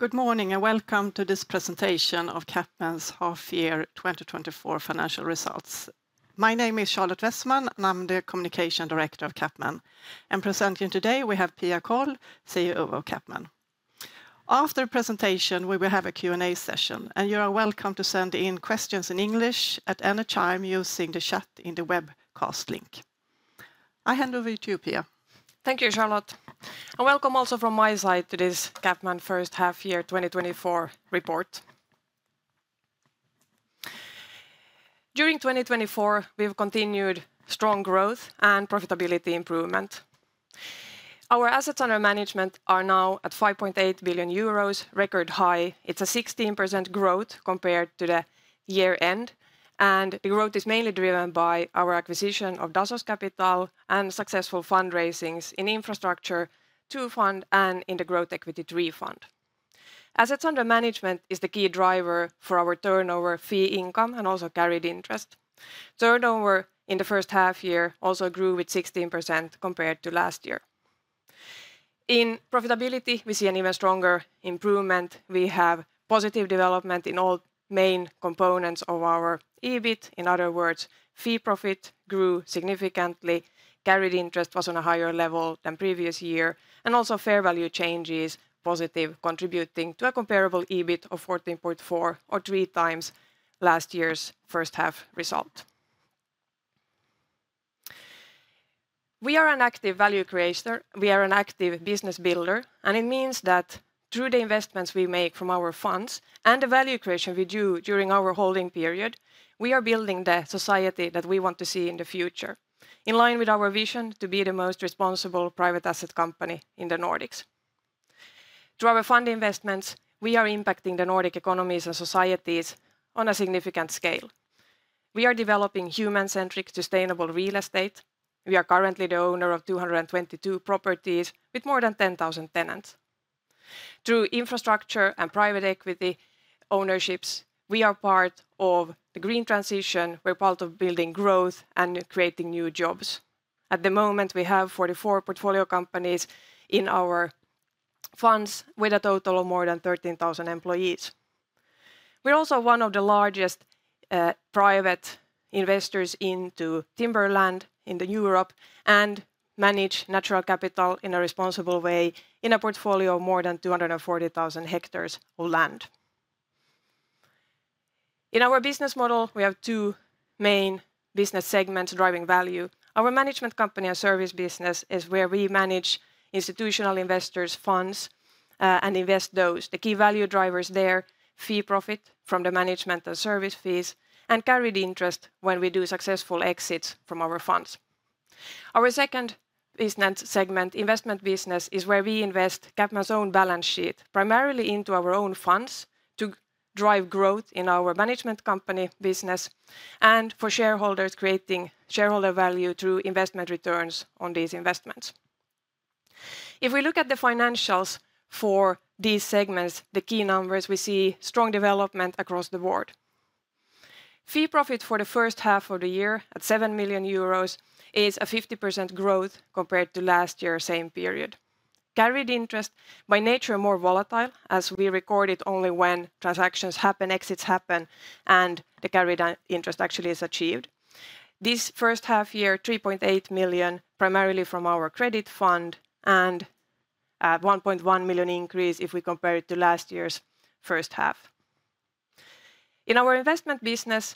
Good morning, and welcome to this presentation of CapMan's half-year 2024 financial results. My name is Charlotte Wessman, and I'm the Communication Director of CapMan, and presenting today we have Pia Kåll, CEO of CapMan. After presentation, we will have a Q&A session, and you are welcome to send in questions in English at any time using the chat in the webcast link. I hand over to you, Pia. Thank you, Charlotte, and welcome also from my side to this CapMan first half-year 2024 report. During 2024, we've continued strong growth and profitability improvement. Our assets under management are now at 5.8 billion euros, record high. It's a 16% growth compared to the year end, and the growth is mainly driven by our acquisition of Dasos Capital and successful fundraisings in Infrastructure II Fund, and in the Growth Equity III Fund. Assets under management is the key driver for our turnover fee income and also carried interest. Turnover in the first half-year also grew with 16% compared to last year. In profitability, we see an even stronger improvement. We have positive development in all main components of our EBIT. In other words, fee profit grew significantly, carried interest was on a higher level than previous year, and also fair value change is positive, contributing to a comparable EBIT of 14.4, or 3x last year's first half result. We are an active value creator, we are an active business builder, and it means that through the investments we make from our funds and the value creation we do during our holding period, we are building the society that we want to see in the future, in line with our vision to be the most responsible private asset company in the Nordics. Through our fund investments, we are impacting the Nordic economies and societies on a significant scale. We are developing human-centric, sustainable real estate. We are currently the owner of 222 properties with more than 10,000 tenants. Through Infrastructure and Private Equity ownerships, we are part of the green transition. We're part of building growth and creating new jobs. At the moment, we have 44 portfolio companies in our funds with a total of more than 13,000 employees. We're also one of the largest, private investors into timberland in Europe, and manage natural capital in a responsible way in a portfolio of more than 240,000 hectares of land. In our business model, we have two main business segments driving value. Our management company and service business is where we manage institutional investors' funds, and invest those. The key value drivers there, fee profit from the management and service fees, and carried interest when we do successful exits from our funds. Our second business segment, investment business, is where we invest CapMan's own balance sheet, primarily into our own funds, to drive growth in our management company business, and for shareholders, creating shareholder value through investment returns on these investments. If we look at the financials for these segments, the key numbers, we see strong development across the board. Fee profit for the first half of the year at 7 million euros is a 50% growth compared to last year, same period. Carried interest, by nature, more volatile, as we record it only when transactions happen, exits happen, and the carried interest actually is achieved. This first half year, 3.8 million, primarily from our Credit Fund, and 1.1 million increase if we compare it to last year's first half. In our investment business,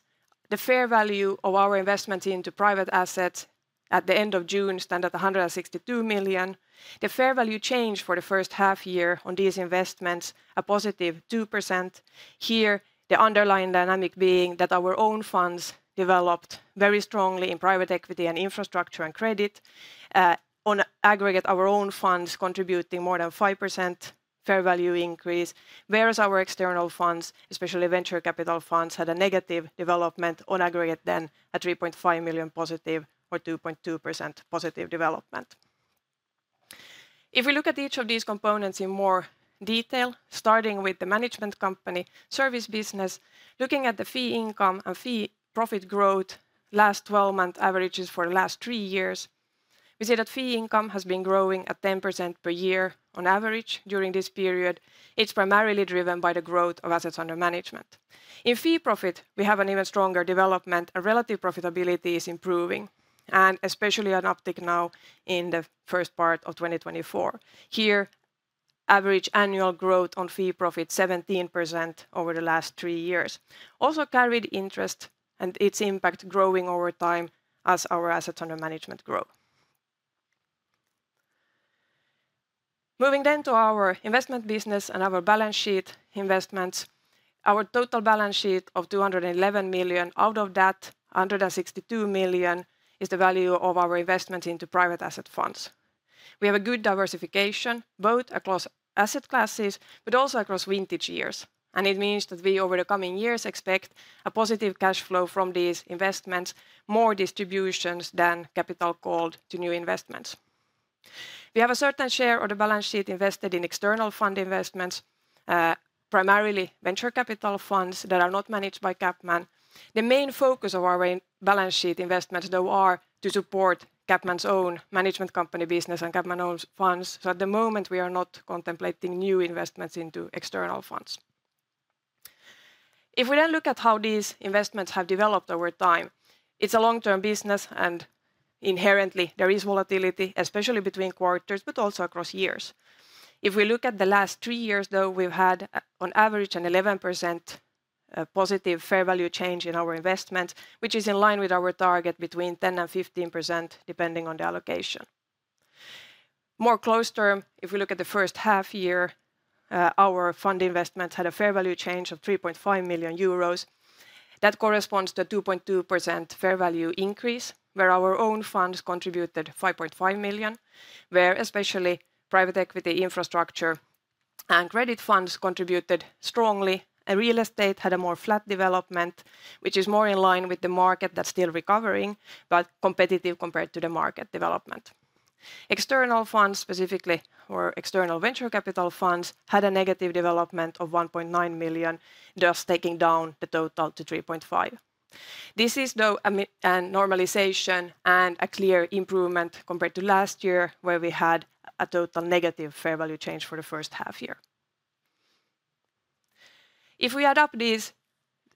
the fair value of our investment into private assets at the end of June stand at 162 million. The fair value change for the first half year on these investments, a +2%. Here, the underlying dynamic being that our own funds developed very strongly in Private Equity and Infrastructure and Credit. On aggregate, our own funds contributing more than 5% fair value increase, whereas our external funds, especially venture capital funds, had a negative development on aggregate, then at 3.5 million+ or 2.2% positive development. If we look at each of these components in more detail, starting with the management company, service business, looking at the fee income and fee profit growth, last 12 month averages for the last three years, we see that fee income has been growing at 10% per year on average during this period. It's primarily driven by the growth of assets under management. In fee profit, we have an even stronger development, and relative profitability is improving, and especially an uptick now in the first part of 2024. Here, average annual growth on fee profit, 17% over the last three years. Also, carried interest and its impact growing over time as our assets under management grow. Moving then to our investment business and our balance sheet investments, our total balance sheet of 211 million, out of that, 162 million is the value of our investment into private asset funds. We have a good diversification, both across asset classes, but also across vintage years, and it means that we, over the coming years, expect a positive cash flow from these investments, more distributions than capital called to new investments. We have a certain share of the balance sheet invested in external fund investments, primarily venture capital funds that are not managed by CapMan. The main focus of our balance sheet investments, though, are to support CapMan's own management company business and CapMan's own funds. So at the moment, we are not contemplating new investments into external funds. If we then look at how these investments have developed over time, it's a long-term business, and inherently there is volatility, especially between quarters, but also across years. If we look at the last three years, though, we've had, on average, an 11%+ fair value change in our investment, which is in line with our target between 10%-15%, depending on the allocation. More close-term, if we look at the first half year, our fund investments had a fair value change of 3.5 million euros. That corresponds to 2.2% fair value increase, where our own funds contributed 5.5 million, where especially Private Equity, Infrastructure and Credit Funds contributed strongly, and Real Estate had a more flat development, which is more in line with the market that's still recovering, but competitive compared to the market development. External funds, specifically, or external venture capital funds, had a negative development of 1.9 million, thus taking down the total to 3.5 million. This is, though, a normalization and a clear improvement compared to last year, where we had a total negative fair value change for the first half year. If we add up these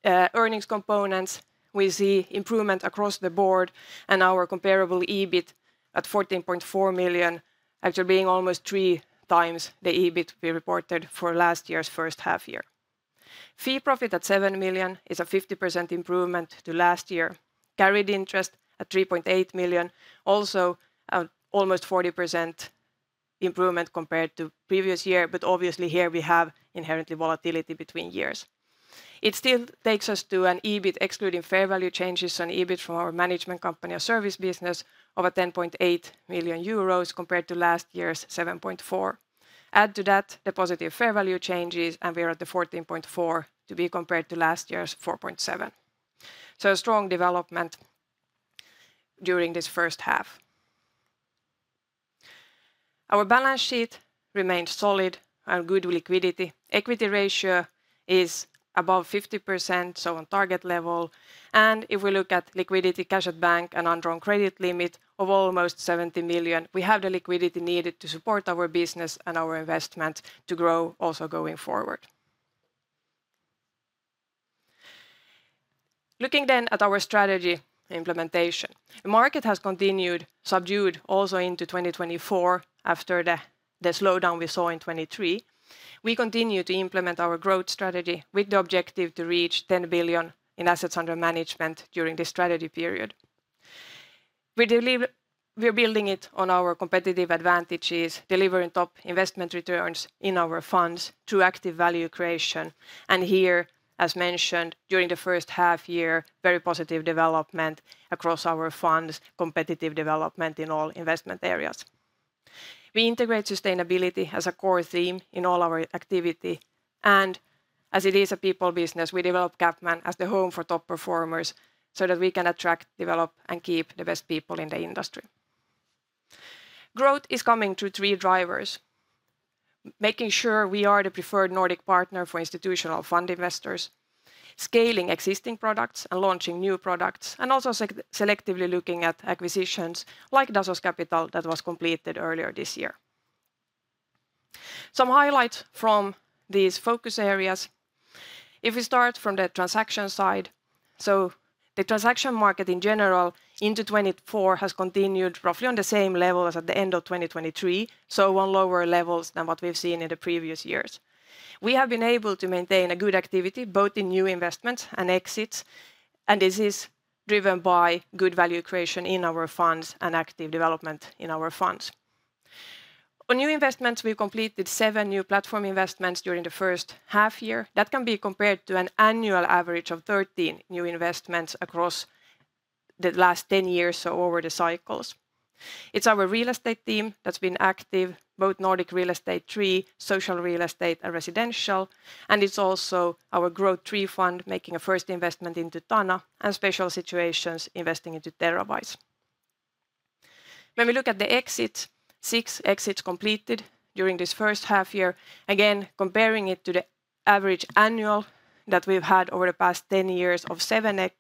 earnings components, we see improvement across the board and our comparable EBIT at 14.4 million, after being almost 3x the EBIT we reported for last year's first half year. Fee profit at 7 million is a 50% improvement to last year. Carried interest at 3.8 million, also almost 40% improvement compared to previous year, but obviously here we have inherently volatility between years. It still takes us to an EBIT, excluding fair value changes on EBIT from our management company or service business, of 10.8 million euros compared to last year's 7.4 million. Add to that the positive fair value changes, and we are at the 14.4 million, to be compared to last year's 4.7 million. So a strong development during this first half. Our balance sheet remains solid and good liquidity. Equity ratio is above 50%, so on target level, and if we look at liquidity, cash at bank and undrawn credit limit of almost 70 million, we have the liquidity needed to support our business and our investment to grow also going forward. Looking then at our strategy implementation, the market has continued subdued also into 2024 after the slowdown we saw in 2023. We continue to implement our growth strategy with the objective to reach 10 billion in assets under management during this strategy period. We are building it on our competitive advantages, delivering top investment returns in our funds through active value creation. And here, as mentioned, during the first half year, very positive development across our funds, competitive development in all investment areas. We integrate sustainability as a core theme in all our activity, and as it is a people business, we develop CapMan as the home for top performers, so that we can attract, develop, and keep the best people in the industry. Growth is coming through three drivers: making sure we are the preferred Nordic partner for institutional fund investors, scaling existing products and launching new products, and also selectively looking at acquisitions, like Dasos Capital, that was completed earlier this year. Some highlights from these focus areas. If we start from the transaction side, so the transaction market in general into 2024 has continued roughly on the same level as at the end of 2023, so on lower levels than what we've seen in the previous years. We have been able to maintain a good activity, both in new investments and exits, and this is driven by good value creation in our funds and active development in our funds. On new investments, we've completed 7 new platform investments during the first half year. That can be compared to an annual average of 13 new investments across the last 10 years, so over the cycles. It's our Real Estate team that's been active, both Nordic Real Estate III, Social Real Estate, and Residential, and it's also our Growth III Fund making a first investment into Tana, and Special Situations investing into Terrawise. When we look at the exits, six exits completed during this first half year. Again, comparing it to the average annual that we've had over the past 10 years of seven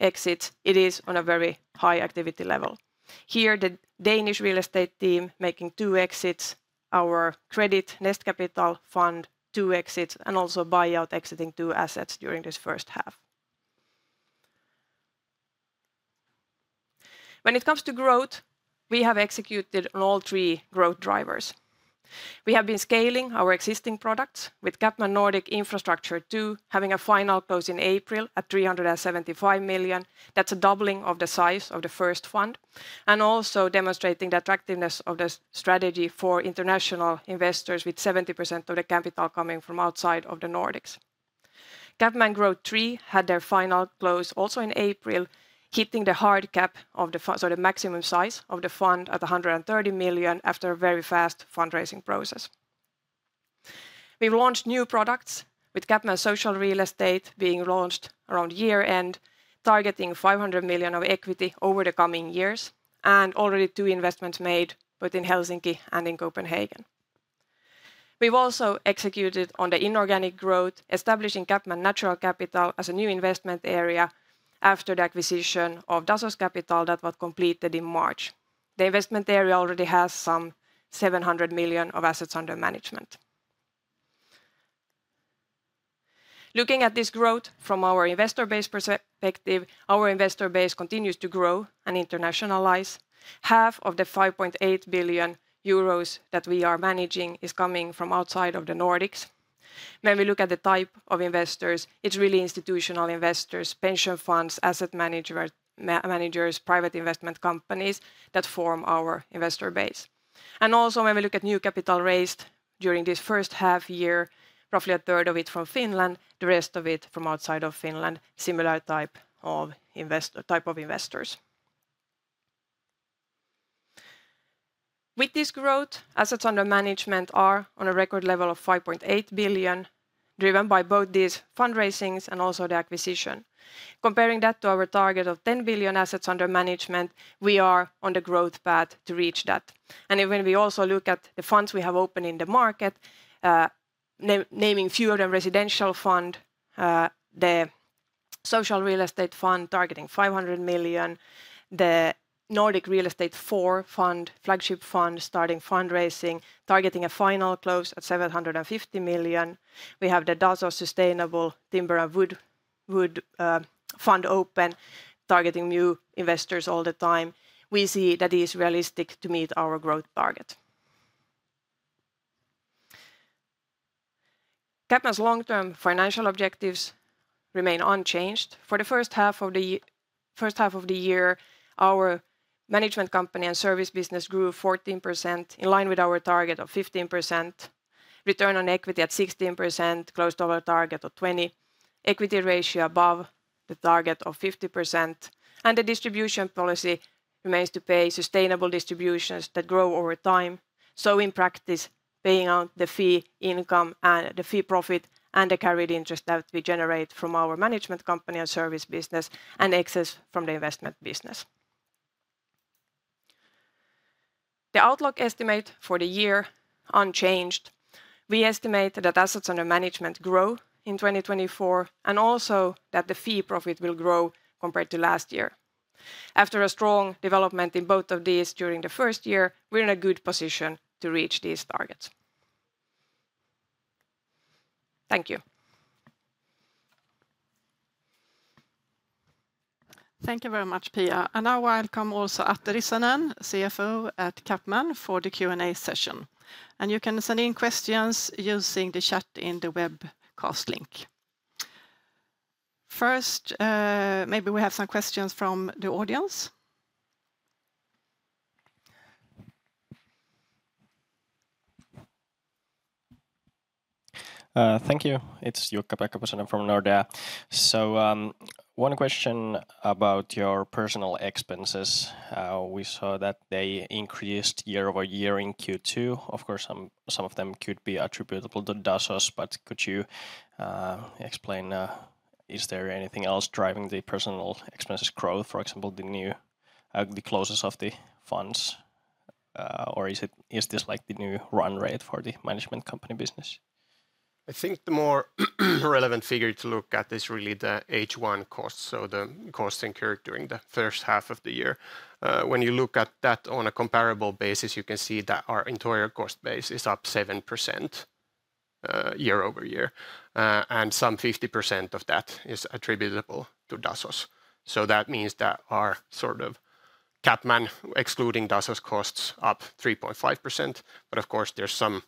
exits, it is on a very high activity level. Here, the Danish Real Estate team making two exits, our Credit, Nest Capital Fund, two exits, and also Buyout exiting two assets during this first half. When it comes to growth, we have executed on all three growth drivers. We have been scaling our existing products with CapMan Nordic Infrastructure II, having a final close in April at 375 million. That's a doubling of the size of the first fund, and also demonstrating the attractiveness of the strategy for international investors, with 70% of the capital coming from outside of the Nordics. CapMan Growth III had their final close also in April, hitting the hard cap, so the maximum size of the fund at 130 million after a very fast fundraising process. We've launched new products, with CapMan Social Real Estate being launched around year-end, targeting 500 million of equity over the coming years, and already two investments made, both in Helsinki and in Copenhagen. We've also executed on the inorganic growth, establishing CapMan Natural Capital as a new investment area after the acquisition of Dasos Capital that was completed in March. The investment area already has some 700 million of assets under management. Looking at this growth from our investor base perspective, our investor base continues to grow and internationalize. Half of the 5.8 billion euros that we are managing is coming from outside of the Nordics. When we look at the type of investors, it's really institutional investors, pension funds, asset managers, private investment companies that form our investor base. And also, when we look at new capital raised during this first half year, roughly a third of it from Finland, the rest of it from outside of Finland, similar type of investors. With this growth, assets under management are on a record level of 5.8 billion, driven by both these fundraisings and also the acquisition. Comparing that to our target of 10 billion assets under management, we are on the growth path to reach that. When we also look at the funds we have open in the market, naming a few of the Residential Fund, the Social Real Estate Fund targeting 500 million, the Nordic Real Estate IV Fund, flagship fund, starting fundraising, targeting a final close at 750 million. We have the Dasos Sustainable Timberland and Wood Fund open, targeting new investors all the time. We see that it is realistic to meet our growth target. CapMan's long-term financial objectives remain unchanged. For the first half of the year, our management company and service business grew 14%, in line with our target of 15%. Return on equity at 16%, close to our target of 20%. Equity ratio above the target of 50%, and the distribution policy remains to pay sustainable distributions that grow over time, so in practice, paying out the fee income and the fee profit and the carried interest that we generate from our management company and service business, and excess from the investment business. The outlook estimate for the year unchanged, we estimate that assets under management grow in 2024, and also that the fee profit will grow compared to last year. After a strong development in both of these during the first year, we're in a good position to reach these targets. Thank you. Thank you very much, Pia. Now I welcome also Atte Rissanen, CFO at CapMan, for the Q&A session, and you can send in questions using the chat in the webcast link. First, maybe we have some questions from the audience. Thank you. It's Jukka-Pekka Pasanen from Nordea. So, one question about your personnel expenses. We saw that they increased year-over-year in Q2. Of course, some of them could be attributable to Dasos, but could you explain, is there anything else driving the personnel expenses growth, for example, the new, the closes of the funds? Or is it- is this, like, the new run rate for the management company business? I think the more relevant figure to look at is really the H1 costs, so the costs incurred during the first half of the year. When you look at that on a comparable basis, you can see that our entire cost base is up 7%, year-over-year, and some 50% of that is attributable to Dasos. So that means that our sort of CapMan, excluding Dasos costs, up 3.5%, but of course, there's some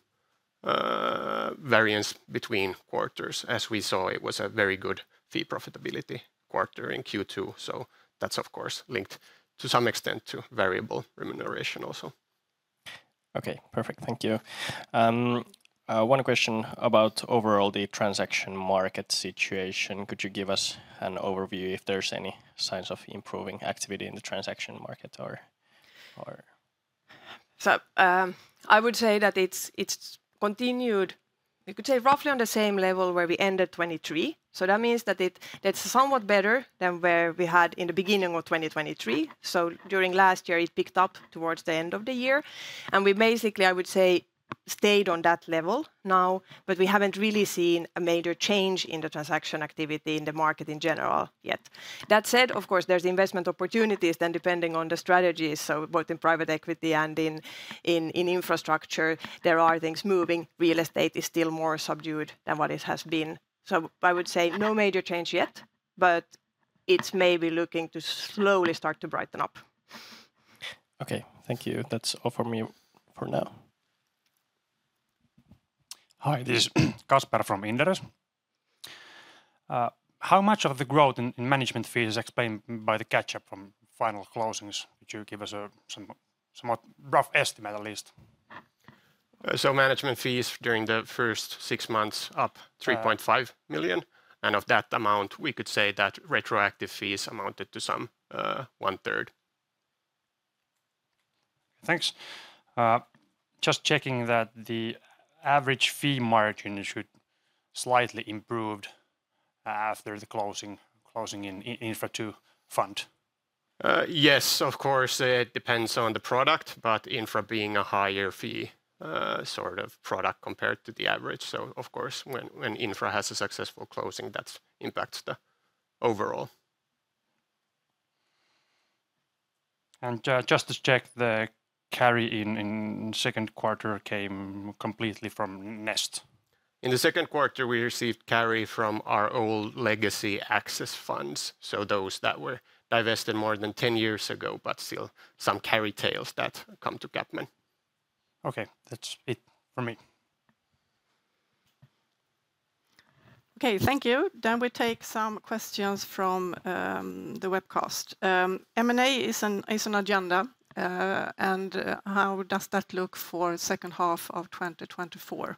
variance between quarters. As we saw, it was a very good fee profitability quarter in Q2, so that's of course linked to some extent to variable remuneration also. Okay, perfect. Thank you. One question about overall the transaction market situation. Could you give us an overview if there's any signs of improving activity in the transaction market or, or...? So, I would say that it's, it's continued, you could say, roughly on the same level where we ended 2023, so that means that it's somewhat better than where we had in the beginning of 2023. So during last year, it picked up towards the end of the year, and we basically, I would say, stayed on that level now, but we haven't really seen a major change in the transaction activity in the market in general yet. That said, of course, there's investment opportunities, then depending on the strategies, so both in Private Equity and in Infrastructure, there are things moving. Real Estate is still more subdued than what it has been. So I would say no major change yet, but it's maybe looking to slowly start to brighten up. Okay, thank you. That's all from me for now. Hi, this is Kasper from Inderes. How much of the growth in management fees is explained by the catch-up from final closings? Could you give us somewhat rough estimate at least? So management fees during the first six months, up 3.5 million, and of that amount, we could say that retroactive fees amounted to some one third. Thanks. Just checking that the average fee margin should slightly improved after the closing in Infra II Fund?... Yes, of course, it depends on the product, but Infra being a higher fee, sort of product compared to the average. So of course, when Infra has a successful closing, that's impacts the overall. Just to check the carry in second quarter came completely from Nest? In the second quarter, we received carry from our old legacy asset funds, so those that were divested more than 10 years ago, but still some carry tails that come to CapMan. Okay, that's it from me. Okay, thank you. Then we take some questions from the webcast. M&A is an agenda, and how does that look for second half of 2024?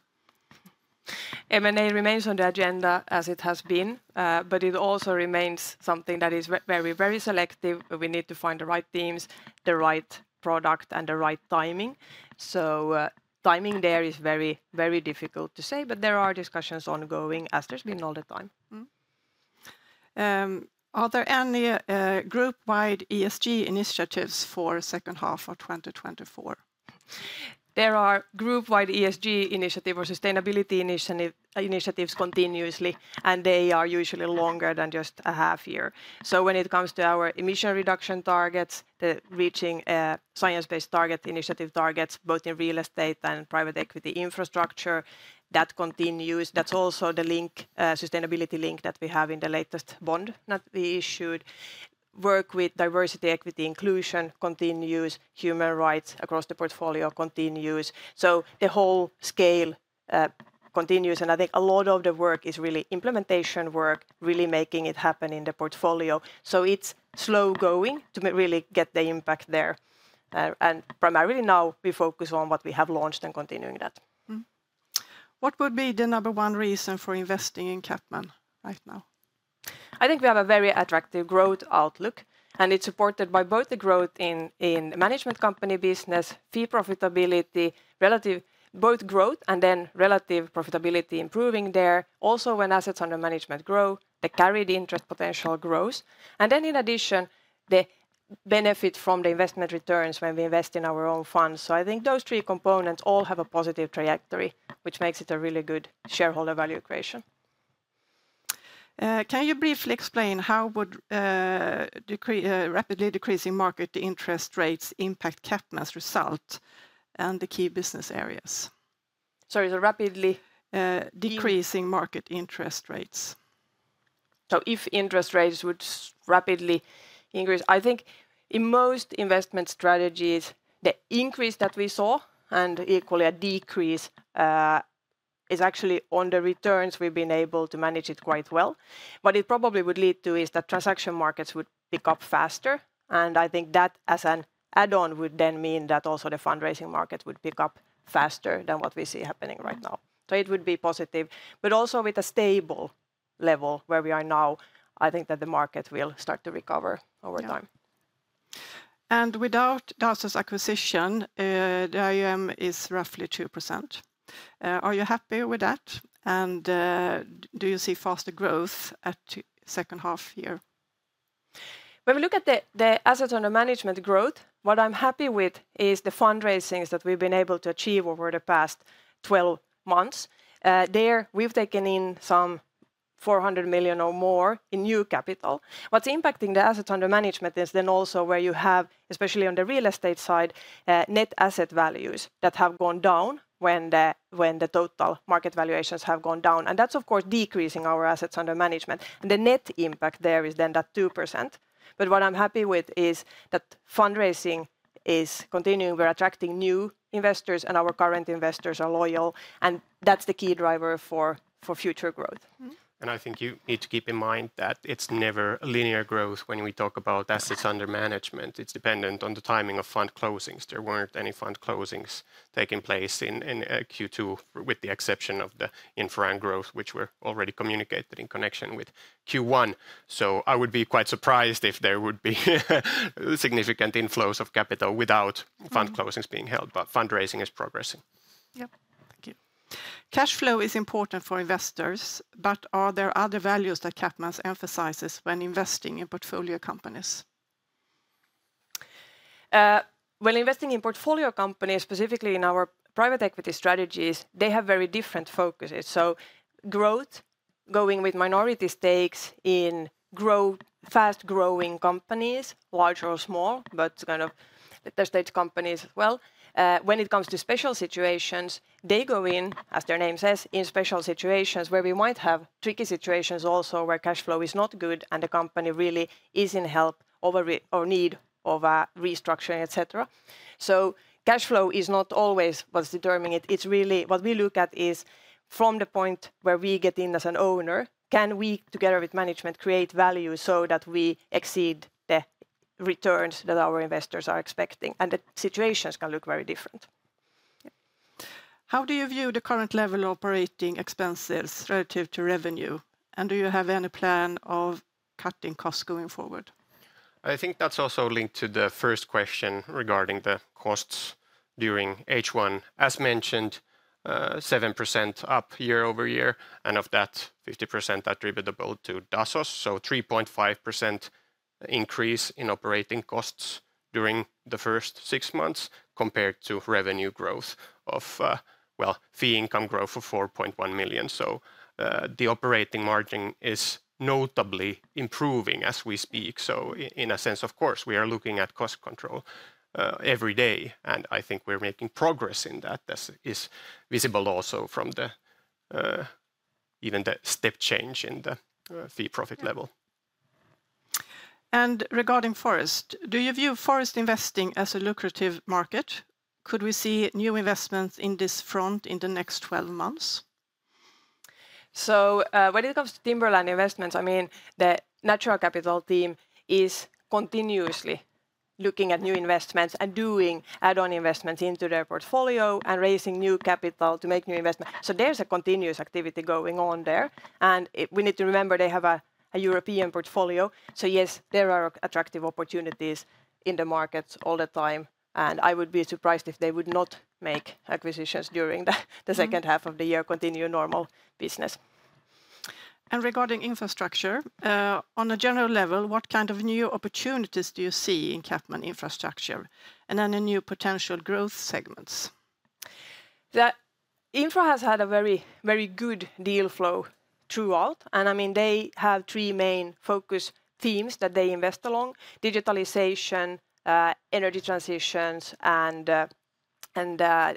M&A remains on the agenda as it has been, but it also remains something that is very, very selective. We need to find the right teams, the right product, and the right timing. So, timing there is very, very difficult to say, but there are discussions ongoing as there's been all the time. Mm-hmm. Are there any group-wide ESG initiatives for second half of 2024? There are group-wide ESG initiatives or sustainability initiatives continuously, and they are usually longer than just a half year. So when it comes to our emission reduction targets, the reaching Science Based Targets initiative targets, both in Real Estate and Private Equity, Infrastructure, that continues. That's also the link, sustainability link that we have in the latest bond that we issued. Work with diversity, equity, inclusion continues, human rights across the portfolio continues, so the whole scale continues, and I think a lot of the work is really implementation work, really making it happen in the portfolio. So it's slow going to really get the impact there, and primarily now we focus on what we have launched and continuing that. Mm-hmm. What would be the number one reason for investing in CapMan right now? I think we have a very attractive growth outlook, and it's supported by both the growth in management company business, fee profitability, relative... Both growth and then relative profitability improving there. Also, when assets under management grow, the carried interest potential grows, and then in addition, the benefit from the investment returns when we invest in our own funds. So I think those three components all have a positive trajectory, which makes it a really good shareholder value creation. Can you briefly explain how would dramatically decreasing market interest rates impact CapMan's result and the key business areas? Sorry, the rapidly- Decreasing market interest rates. So if interest rates would rapidly increase, I think in most investment strategies, the increase that we saw, and equally a decrease, is actually on the returns we've been able to manage it quite well. What it probably would lead to is the transaction markets would pick up faster, and I think that, as an add-on, would then mean that also the fundraising market would pick up faster than what we see happening right now. Mm-hmm. It would be positive, but also with a stable level where we are now, I think that the market will start to recover over time. Yeah. Without Dasos's acquisition, the AUM is roughly 2%. Are you happy with that, and do you see faster growth at second half year? When we look at the assets under management growth, what I'm happy with is the fundraisings that we've been able to achieve over the past 12 months. There we've taken in some 400 million or more in new capital. What's impacting the assets under management is then also where you have, especially on the Real Estate side, net asset values that have gone down when the total market valuations have gone down, and that's of course decreasing our assets under management, and the net impact there is then that 2%. But what I'm happy with is that fundraising is continuing. We're attracting new investors, and our current investors are loyal, and that's the key driver for future growth. Mm-hmm. I think you need to keep in mind that it's never a linear growth when we talk about. Mm... assets under management. It's dependent on the timing of fund closings. There weren't any fund closings taking place in Q2, with the exception of the infra and growth, which were already communicated in connection with Q1. So I would be quite surprised if there would be significant inflows of capital without- Mm... fund closings being held, but fundraising is progressing. Yep, thank you. Cash flow is important for investors, but are there other values that CapMan emphasizes when investing in portfolio companies? When investing in portfolio companies, specifically in our Private Equity strategies, they have very different focuses, so growth, going with minority stakes in growth- fast-growing companies, large or small, but kind of the stage companies well. When it comes to Special Situations, they go in, as their name says, in Special Situations where we might have tricky situations also where cash flow is not good and the company really is in help over or need of a restructuring, et cetera. So cash flow is not always what's determining it. It's really... What we look at is from the point where we get in as an owner, can we, together with management, create value so that we exceed the returns that our investors are expecting? And the situations can look very different. Yeah. How do you view the current level of operating expenses relative to revenue, and do you have any plan of cutting costs going forward? I think that's also linked to the first question regarding the costs. During H1, as mentioned, 7% up year-over-year, and of that, 50% attributable to Dasos. So 3.5% increase in operating costs during the first six months, compared to revenue growth of, well, fee income growth of 4.1 million. So, the operating margin is notably improving as we speak. So in a sense, of course, we are looking at cost control every day, and I think we're making progress in that. This is visible also from the, even the step change in the fee profit level. Regarding forest, do you view forest investing as a lucrative market? Could we see new investments in this front in the next 12 months? So, when it comes to timberland investments, I mean, the natural capital team is continuously looking at new investments and doing add-on investments into their portfolio and raising new capital to make new investment. So there's a continuous activity going on there, and we need to remember they have a European portfolio. So yes, there are attractive opportunities in the markets all the time, and I would be surprised if they would not make acquisitions during the Yeah... the second half of the year, continue normal business. Regarding infrastructure, on a general level, what kind of new opportunities do you see in CapMan Infrastructure, and any new potential growth segments? The infra has had a very, very good deal flow throughout, and I mean, they have three main focus themes that they invest along: digitalization, energy transitions, and data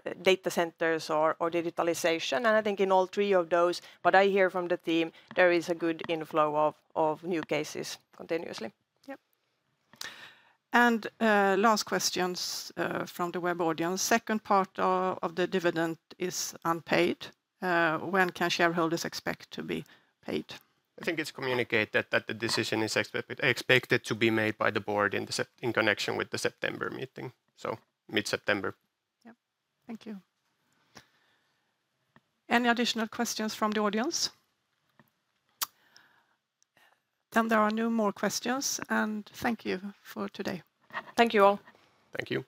centers or digitalization. I think in all three of those, what I hear from the team, there is a good inflow of new cases continuously. Yep. And, last questions, from the web audience. Second part of the dividend is unpaid. When can shareholders expect to be paid? I think it's communicated that the decision is expected to be made by the board in connection with the September meeting, so mid-September. Yep. Thank you. Any additional questions from the audience? Then there are no more questions, and thank you for today. Thank you, all. Thank you.